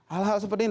hal hal seperti ini